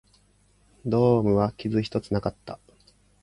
ドームは傷一つなかった